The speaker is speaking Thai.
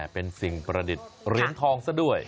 เป็นสิ่งประดิษฐ์เหรียญทองซะด้วย